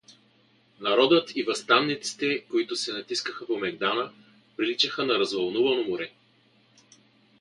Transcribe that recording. Народът и въстаниците, които се натискаха по мегдана, приличаха на развълнувано море.